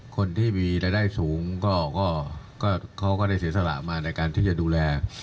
คนที่มีรายได้สูงเขาก็ได้เสียสละมาในการที่จะดูแล